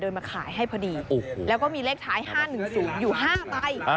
มาขายให้พอดีแล้วก็มีเลขท้าย๕๑๐อยู่๕ใบ